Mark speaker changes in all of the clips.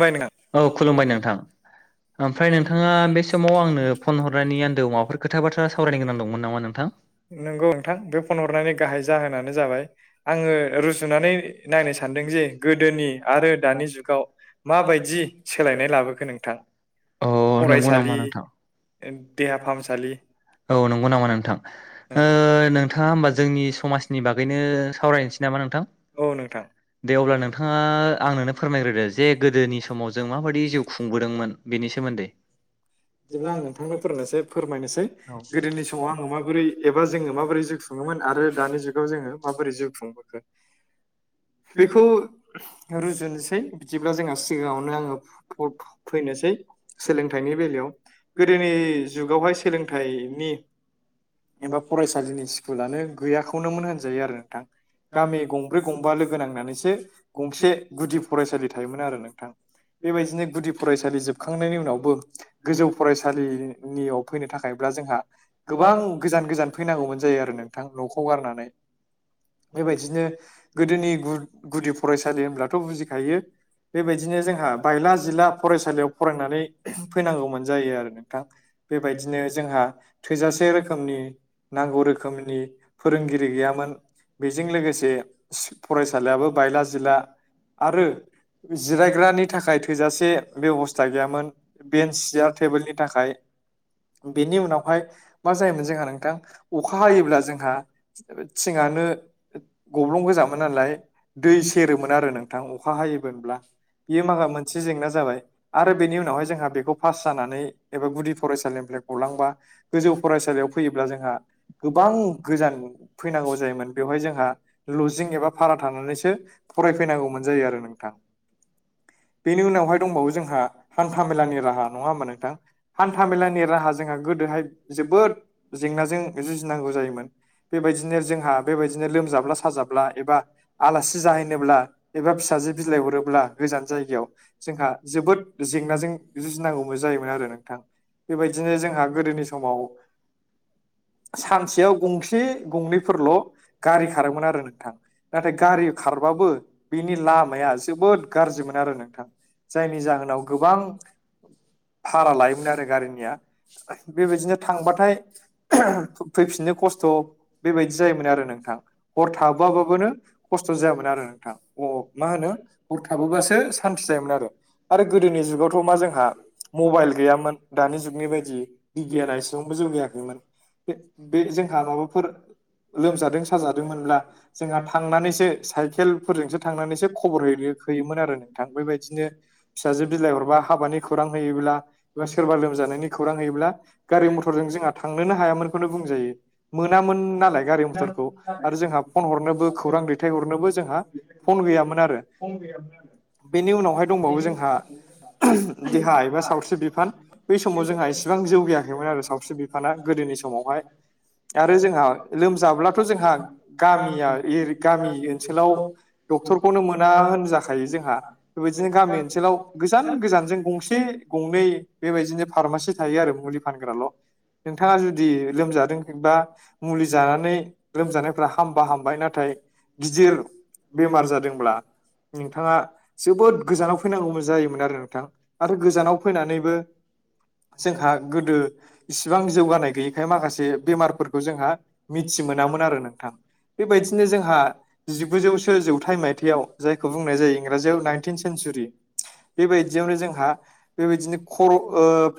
Speaker 1: खुलुमबाय नोंथां।
Speaker 2: औ खुलुमबाय नोंथां
Speaker 1: [unintelligible]
Speaker 2: ओमफ्राय नोंथाङा बे समाव आंनो फन हरनायनि आन्दोआव माबाफोर खोथा बाथ्रा सावरायनो गोनां दंमोन नामा नोंथां?
Speaker 1: नंगौ नोंथां बे फन हरनायनि गाहाय जाहोनानो जाबाय आंङो रुजुनानै नायनो सानदों जे गोदोनि आरो दानि जुगाव माबायदि सोलायनाय लाबोखो नोंथां
Speaker 2: औ नंगौ नामा
Speaker 1: फरायसालि
Speaker 2: नोंथां
Speaker 1: देहा फाहामसालि
Speaker 2: औ नंगौ नामा नोंथां ओ
Speaker 1: नंगौ
Speaker 2: नोंथाङा हो जोंनि समाजनि बागैनो सावरायनोसै नामा नोंथां
Speaker 1: औ नोंथां
Speaker 2: दे अब्ला नोंथाङा आंनोनो फोरमायग्रोदो जे गोदोनि समाव जों माबायदि जिउ खुंबोदोंमोन बेनि सोमोन्दै
Speaker 1: [inaudible] जेब्ला आं नोंथांनो फोरोंनोसै, फोरमायनोसै गोदोनि समाव आंङो माबोरै एबा जोंङो माबोरै जिउ खूङोमोन। आरो दानि जुगाव जोंङो माबोरै जिउ खुंबोखो बेखौ रुजुनोसै बिदिब्ला जोंहा सिगाङावनो आङो फुटबल फैनोसै सै सोलोंथाइनि बेलायाव गोदोनि जुगावहाय सोलोंथाइनि एबा फरायसालिनि स्कुलानो गैयाखौनोमोन होनजायो आरो नोंथां गामि गंब्रै गं फोनांनानैसो गंसे गुदि फरायसालि थायोमोन आरो नोंथां- बेबायदिनो गुदि फरायसालि जोबखांनायनि उनावबो गोजौ फरायसालिनियाव फैनो थाखायब्ला जोंहा गोबां गोजान-गोजान फैनांगौमोन जायो आरो ना। नोंथां न'खौ गारनानै बेबायदिनो गोदोनि गु-गुदि फरायसालि होनब्लाथ' बुजिखायो बेबायदिनो जोंहा बायला जिला फरायसालियाव फरायनानै फैनांगौमोन जायो आरो नोंथां बेबायदिनो जोंहा थोजासे रोखोमनि नांगौ रोखोम- रोखोमनि फोरोंगिरि गैयामोन बेजों लोगोसे फरायसालियाबो बायला जिला आरो जिरायग्रानि थाखाय थोजासे बेबस्था गैयामोन। बेन्स सियार टेबोलनि थाखाय बेनि उनावहाय मा जायोमोन जोंहा नोंथां अखा हायोब्ला जोंहा थिङानो गब्लं गोजामोन नालाय दै सेरोमोन आरो नोंथां अखा हायोमोनब्ला बियो माबा मोनसे जेंना जाबाय आरो बेनि उनावहाय जोंहा बेखौ पास जानानै एबा गुदि फरायसालिनिफ्राय गलांबा गोजौ फरायसालियाव फैयोब्ला जोंहा गोबां गोजान फैनांगौ जायोमोन। बेवहाय जोंहा लजिं एबा भारा थानानैसो फरायफैनांगौमोन जायो आरो नोंथां। बेनि उनावहाय दंबावो जोंहा हान्था मेलानि राहा नङा होमबा नोंथां हान्था मेलानि राहा जोंहा गोदोहाय जोबोद जेंनाजों जुजि
Speaker 2: [inaudible]
Speaker 1: बेबायदिनो जोंहा बेबायदिनो लोमजाब्ला साजाब्ला एबा आलासि जाहैनोब्ला एबा फिसा जे बिलाइ हरोब्ला गोजान जायगायाव जोंहा जोबोद जेंनाजों जुजिनांगौमोन जायोमोन आरो नोंथां बेबायदिनो जोंहा गोदोनि समाव सानसेयाव गंसे गंनैफोरल' गारि खारोमोन आरो नोंथां नाथाय गारि खार बाबो बिनि लामाया जोबोद गाज्रिमोन आरो नोंथां जायनि जाहोनाव गोबां भारा लायोमोन आरो गारिनिया। बेबायदिनो थांबाथाय फैफिननो खस्थ बेबायदि जायोमोन आरो नों नोंथां हर थाबाबाबानो खस्थ जायामोन आरो नोंथां अ मा होनो हर थाबोबासो मिथि जायोमोन आरो गोदोनि जुगावथ' मा जों आ मबायेल गैयामोन दानि जुगनि बायदि बिगियाना एसेबांबो जौगैयाखैमोन। बे जोंहा माबाफोर लोमजादों साजादोंमोनब्ला जोंहा थांनानैसो साइकेलफोरजोंसो थांनानैसो खबर हैयो होयोन आरो नोंथां बेबायदिनो फिसाजो बिलाइ हरा हाबानि खौरां होयोब्ला एबा सोरबा लोमजानायनि खौरां होयोब्ला गारि मथरजों जोंहा थांनोनो हायामोनखौनो बुं मोनामोन नालाय गारि मथरखौ आरो जोंहा फन हरनोबो खौरां दैथाय हरनोबो जोंहा फन गैयामोन आरो। बेनि उनावहाय दंबावो जोंहा देहा एबा सावस्रि बिफान बै समाव जोंहा एसेबां जौ गायाखैमोन आरो सावस्रि बिफाना गोदोनि समावहाय [inaudible] आरो जोंहा लोमजाब्लाथ जोंहा गामिया इरि गामि ओनसोलाव डक्टरखौनो मोना होनजाखायो जोंहा बेबायदिनो गामि ओनसोलाव गोजान गोजान जों गंसे गंनै बेबायदिनो फार्मासि थायो आरो मुलि फानग्राल' नोंथांङा जुदि लोमजादोंबा मुलि जानानै लोमजानायफ्रा हामबा हामबाय नाथाय गिदिर बेमार जादोंब्ला नोंथांङा जोबोद गोजानाव फैनांगौमोन जायोमोन आरो नोंथां आरो गोजानाव फैनानैबो जोंहा गोदो इसिबां जौगानाय गैयैखाय माखासे बेमारफोरखौ जोंहा मिथि मोनामोन आरो नोंथां। बेबायदिनो जोंहा जिगुजौसो जौथाइ मायथाइयाव जायखौ बुंनाय जायो इंराजि नाइन तिन सेनसुरि बेबायाय दियावनो जों हा बेबायदिनो खर'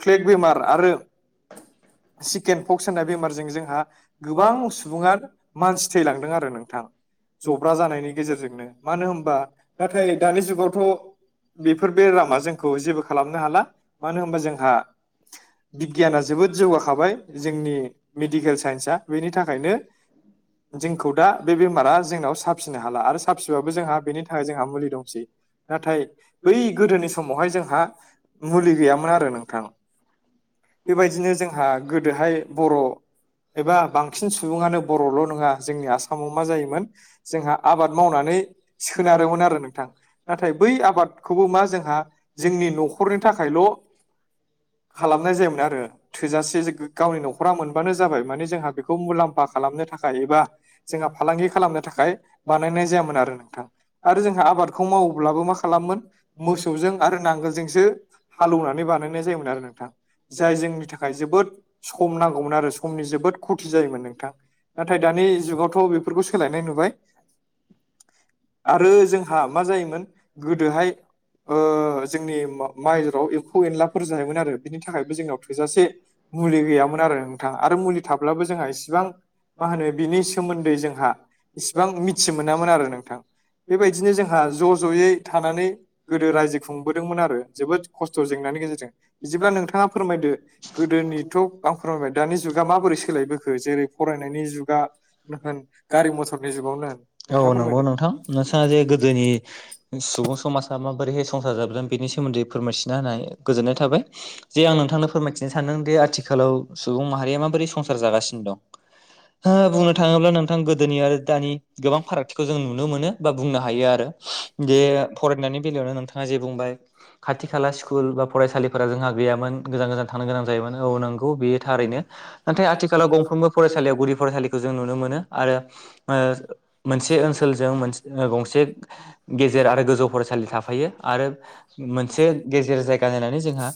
Speaker 1: फ्लेग बेमार आरो चिकेन पक्स होननाय बेमारजों जोंहा गोबां सुबुंङा मानसि थैलांदों आरो नोंथां। जब्रा जानायनि गेजेरजोंनो मानो होनबा नाथाय दानि जुगावथ' बेफोर बेरामा जोंखौ जेबो खालामनो हाला मानो होनबा जोंहा बिगियाना जोबोद जौगाखाबाय जोंनि मेडिकेल साइन्सआ बेनि थाखायनो जोंखौ दा बे बेमारा जोंनाव साबसिनो हाला आरो साबिबाबो जोंहा बेनि थाखाय जोंहा मुलि दंसै नाथाय बै गोदोनि समावहाय जोंहा मुलि गैयामोन आरो नोंथां । बे बायदिनो जोंहा गोदोहाय बर' एबा बांसिन सुबुंङानो बर'ल नंङा जोंनि आसामाव मा जायोमोन जोंहा आबाद मावनानै यै सोनारोमोन आरो नोंथां नाथाय बै आबादखौबो मा जोंहा जोंनि न'खरनि थाखायल' खालामनाय जायोमोन आरो थोजासे गावनि न'खरा मोनबानो जाबाय माने जोंहा बेखौ मुलाम्फा खालामनो थाख एबा जोंहा फालांगि खालामनो थाखाय बानायनाय जायामोन आरो नोंथां आरो जोंहा आबादखौ खौ मावोब्लाबो मा खालामोन मोसौजों आरो नांगोलजोंसो हालौवनानै बानायनाय जायोमोन आरो नोंथां। जाय जोंनि थाखाय जोबोद सम नांगौमोन आरो समनि जोबोद खथि जायोमोन नोंथां। नाथाय दानि जुगावथ' बेफोरखौ सोलायनाय नुबाय।
Speaker 2: आरो जोंहा
Speaker 1: जायोमोन गोदोहाय ओ ओ जोंनि माइफोराव एम्फौ एनलाफोर जायोमोन आरो बिनि थाखायबो जोंनाव थोजासे मुलि गैया मोन आरो नोंथांङा आरो मुलि थाब्लाबो जोंहा इसेबां मा होनो बिनि सोमोन्दै जोंहा इसिबां मिथि मोनामोन आरो नोंथां। बेबायदिनो जोंहा ज' ज'यै थानानै गोदो रायजो खुंबोदोंमोन आरो जोबोद खस्थ जेंनानि गेजेरजों बिदिब्ला नोंथांङा फोरमायदो गोदोनिथ लां फोरमायबाय दानि जुगा माबोरै सोलायबोखो जेरै फरायनायनि जुगा होन गारि मथरनि जुग
Speaker 2: औ नंगौ नोंथां नोंस्रा जे गोदोनि सुबुं समाजा माबोरै हाय संसार जाबदों बेनि सोमोन्दै फोरमायथिना होनाय गोजोननाय थाबाय। जे आं नोंथांनो फोरमायथिनो सानदों दि आथिखालाव सुबुं माहारिया माबोरै संसार जागासिनो दं। हो बुंनो थांङोब्ला नोंथां गोदोनि आरो दानि गोबां फारागथिखौ जों नुनो मोनो बा बुंनो हायो आरो। जे फरायनायनि बेलायावनो नोंथांङा जे बुंबाय खाथि खाला स्कुल बा फरायसालिफोरा जोंहा गैयामोन गोजान गोजान थांनो गोनां जायोमोन औ नंगौ बेयो थारैनो नाथाय आथिखालाव गंफ्रोमबो फरायसालियाव गदि फरायसालिखौ जों नुनो मोनो आरो ओ मोनसे ओनसोलजों गंसे गेजेर आरो गोजौ फरायसालि थाफायो आरो मोनसे गेजेर जायगा नायनानै जोंहा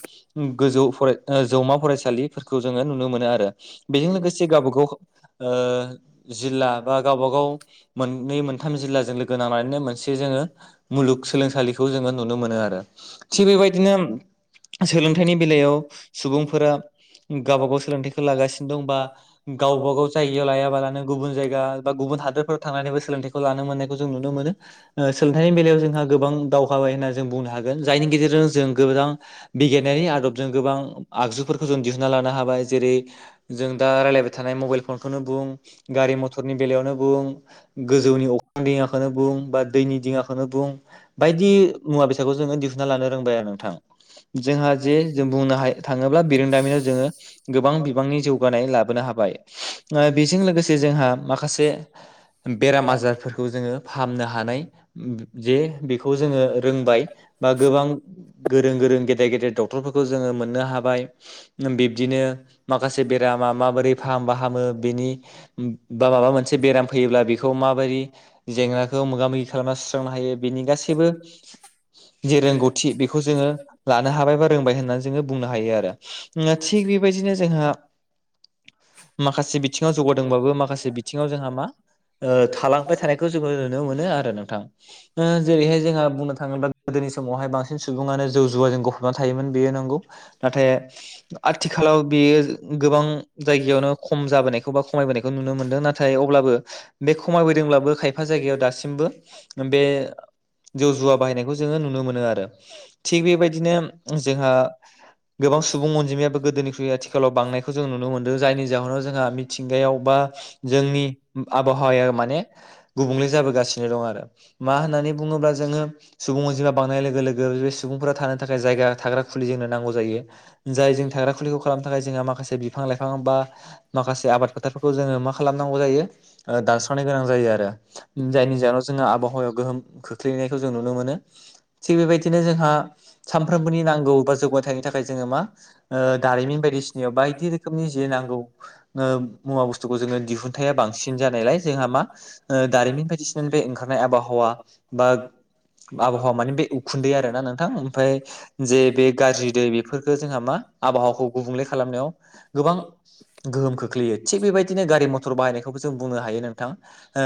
Speaker 2: गोजौ फराय जौमा फरायसालिफोरखौ जोंङो नुनो मोनो आरो, बेजों लोगोसे गावबा गाव ओ ओ जिल्ला बा गावबा गाव मोननै मोनथाम जिल्लाजों लोगो नांनानैनो मोनसे जोंङो मुलुग सोलोंसालिखौ जोंङो नुनो मोनो आरो थि बेबायदिनो सोलोंथाइनि बेलायाव सुबुंफोरा गाबा गाव सोलोंथाइखौ लागासिनो दंबा गावबा गाव जायगायाव लायाबालानो गुबुन जायगा गुबुन हादोरफोराव थांनानैबो सोलोंथाइखौ लानो मोननायखौ जों नुनो मोनो सोलोंथाइनि बेलायाव जोंहा गोबां दावहाबाय होनना जों बुंनो हागोन जायनि गेजेरजों जों गोबां बिगियानारि नि आदबजों गोबां आगजुफोरखौ जों दिहुनना लानो हाबाय जेरै जों दा रायलायबाय थानाय मबाइल फन खौनो बुं गारि मथरनि बेलायावनो बुं गोजौनि अख्रां दिंङाखौनो बुं बा दैनि दिंङाखौनो बुं बायदि मुवा बेसादखौ जोंङो दिहुनना लानो रोंबाय आरो नोंथां जोंहा जे जों बुंनो थांङोब्ला बिरोंदामिनाव जोंङो गोबां बिबांनि जौगानाय लाबोनो हाबाय। ओ बेजों लोगोसे जोंहा माखासे बेराम आजारफोरखौ जोंङो फाहामनो हानाय जे बेखौ जोंङो रोंबाय बा गोबां गोरों गोरों गेदेर गेदेर गेदेर डक्टरफोरखौ जोंङो मोननो हाबाय। बिब्दिनो माखासे बेरामा माबोरै फाहामबा हामो बेनि बा माबा मोनसे बेराम फैयोब्ला बेखौ माबायदि जेंनाखौ मोगा मोगि खालामना सुस्रांनो हायो बिनि गासैबो जे रोंगौथि बेखौ जोंङो लानो हाबाय बा रोंबाय होननानै जोंङो बुंनो हायो आरो थिग बेबायदिनो जोंहा माखासे बिथिंङाव जौगादोंबाबो माखासे बिथिंङाव जोंहा मा ओ थालांबाय थानायखौ जोंङो नुनो मोनो आरो नों थां जेरैहाय जोंहा बुंनो थांङोब्ला गोदोनि समावहाय बांसिन सुबुंङानो जौ जुवाजों गफबना थायोमोन बेयो नोंगौ नाथाय। आथिखालाव बेयो गोबां जायगायावनो खम जाबोनायखौ बा खमायबोनायखौ नुनो मोनदों नाथाय अब्ला बो बे खमायबोदोंब्लाबो खायफा जायगायाव दासिमबो बे जौ जुवा बाहायनायखौ जोंङो नुनो मोनो आरो थिग बेबायदिनो जोंहा गोबां सुबुं अनजिमायाबो गोदोनिख्रुइ आथिखालाव बांनायखौ जों नुनो मोनदों जायनि जाहोनाव जोंहा मिथिंगायाव बा जोंनि आबहावाया माने गुबुंले जाबोगासिनो दं आरो मा होननानै बुंङोब्ला जोङो सुबुं अनजिमा बांनाय लोगो लोगो बे सुबुंफोरा थानो थाखाय जायगा थाग्रा खुलि जोंनो नांगौ जायो जाय जों थाग्रा खुलिखौ खालामनो थाखाय जोंहा माखासे बिफां लाइफां बा माखासे आबाद फोथारफोरखौ जोंंङो मा खालामांगौ जायो दानस्रांनो गोनां जायो आरो जायनि जावनाव जोंहा आबहावायाव गोहोम खोख्लैनायखौ जों नुनो मोनो थिग बेबायदिनो जोंहा सानफ्रोमबोनि नांगौ बा जौगाथायनि थाखाय जोंङो मा ओ दारिमिन बायदिसिनायाव बायदि रोखोमनि जे नांगौ मुवा बुस्थुखौ जोंङो दिहुनथाया बांसि बसिन जानायलाय जोंहा मा दारिमिन बायदिसिना बे ओंखारनाय आबहावा बा आबहावा माने बे उखुन्दै आरोना नोंथां ओमफ्राय जे बे गाज्रि दै बेफोरखौ जोंहा मा आबाहावाखौ गुबुंले खालामनायाव गोबां गोहोम खोख्लैयो थि बेबायदिनो गारि मतर बा बायनायखौबो जों बुंनो हायो ओ नोंथां ओ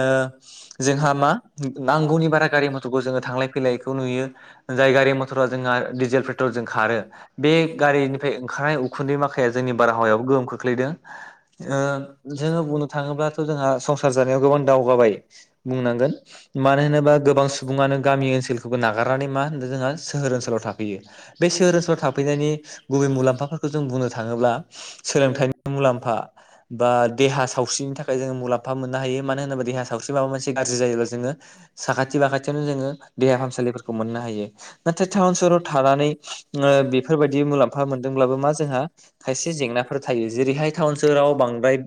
Speaker 2: जोंहा मा नांगौनि बारा गारि मथरखौ जोंङो थांलाय फैलायखौ नुयो जाय गारि मथरा जोंहा डिजेल पेट्रल जों खारो बे गारि फ्राय ओंखारनाय उखुन्दै माखाया जोंनि बारहावायाव गोहोम खोख्लैदों ओ जोंङो बुंनो थांङोब्ला थ' जोंहा संसार जानायाव गोबां दावगाबाय बुंनांगोन मानो होनोबा गोबां सुबुंङानो गामि ओनसोलखौबो नागारनानै मा होनो जोंहा सोहोर ओनसोलाव थाफैयो बे सोरोसाव थाफैनायनि फोरखौ जों बुंनो थांङोब्ला सोलोंथाइनि मुलाम्फा बा देहा सावस्रिनि थाखाय जोंङो मुलाम्फा मोननो हायो मानो होनोब्ला देहा सावस्रि माबा मोनसे गाज्रि जायोब्ला जोंङो साखाथि बाखाथियावनो जोंङो देहा फाहामसालिफोरखौ मोननो हायो नाथाय टाउन सहराव थानानै ओ बेफोरबायदि मुलाम्फा फा मोनदोंब्लाबो मा जोंहा खायसे जेंनाफोर थायो जेरैहाय टाउन सोहोराव बांद्राय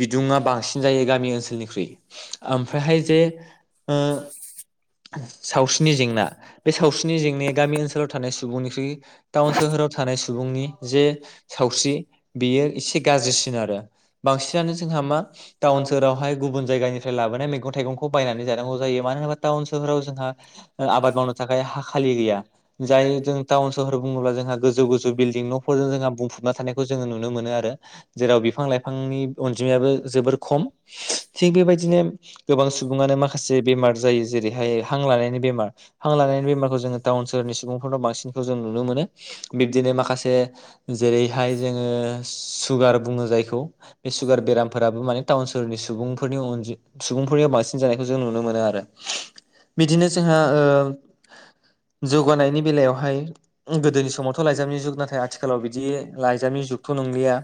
Speaker 2: बिदुंङा बांसिन जायो गामि ओनसोलनिख्रुइ ओमफ्रायहाय जे ओ सावस्रिनि जेंना बे सावस्रिनि जेंनाया गामि ओनसोलाव थानाय सुबुंनिख्रुइ टाउन सोहोराव थानाय सुबुंनि जे सावस्रि बेयो एसे गाज्रिसिन आरो बांसिनानो जों जोंहा मा टाउन सोहोरावहाय गुबुन जायगानिफ्राय लाबोनाय मैगं थाइगंखौ बायनानै जानांगौ जायो। मानो होनबा ताउन सहोराव जोंहा आबाद मावनो थाखाय हा खालि गैया जाय जों टाउन सहर बुङोब्ला जों जों गोजौ गोजौ बिल्डं नजों जोंहा बुंफबना थानायखौ जोङो नुनो मोनो आरो जेराव बिफां लाइफांनि अनजिमायाबो जोबोर खम थिग बेबायदिनो गोबां सुबङानो माखासे माखासे बेमार जायो जेरैहाय हां लानायनि बेमार हां लानायनि बेमारखौ जोङो टाउन सोहरनि सुबुंफोरनाव बांसिन जों नुनो मोनो बिब्दिनो माखासे जेरैहाय जोङो सुगार बुङो जायो खौ बे सुगार बेरामाबो माने टाउन सहरनि सुबुं सुबुंनि बांसिन जानाय खौ जों नुनो मोनो आरो बिदिनो जोंहा ओ जौगानायनि बेलायावहाय गोदोनि समावथ' लाइजामनि जुग नाथाय आथिखालाव बिदि लाइजामनि जुगथ' नंलिया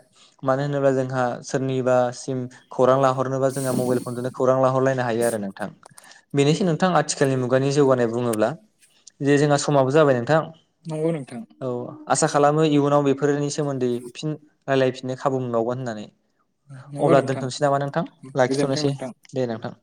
Speaker 2: मानो होनोब्ला जोंहा सोरनिबासिम खौरां लाहरनोब्ला मोबाइल खौरां लाहरलायनो हायो आरो नोंथां बेनिसै नोंथां आथिखालनि मुगानि जौगानाय बुङोब्ला। जे जोंहा समाबो जाबाय नोंथां।
Speaker 1: नंगौ नोंथां
Speaker 2: औ आसा खालामो इयुनाव बेफोरनि सोमोन्दै फिन रायलायफिननो खाबु मोनबावगोन। होननानै
Speaker 1: नंगौ
Speaker 2: अब्ला
Speaker 1: नोंथां
Speaker 2: दोनथ'नोसै नामा नोंथां
Speaker 1: गोजोनथों
Speaker 2: लाखिथ'नोसै
Speaker 1: नोंथां
Speaker 2: दे नोंथां।